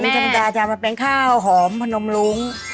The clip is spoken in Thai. ข้าวหุ่งธรรมดาใช่มันเป็นข้าวหอมนมรุ้ง